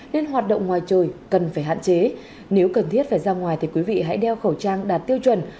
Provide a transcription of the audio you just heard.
nên hoạt động ngoài trời cần phải hạn chế nếu cần thiết phải ra ngoài thì quý vị hãy đeo khẩu trang đạt tiêu chuẩn